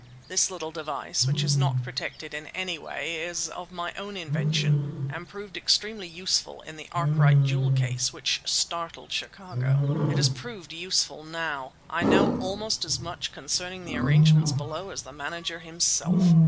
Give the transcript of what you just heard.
This little device, which is not protected in any way, is of my own invention, and proved extremely useful in the Arkwright jewel case, which startled Chicago. It has proved useful now. I know almost as much concerning the arrangements below as the manager himself.